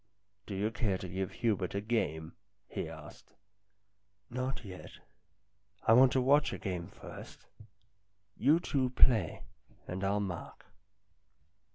" Do you care to give Hubert a game?" he asked. " Not yet. I want to watch a game first. You two play, and I'll mark."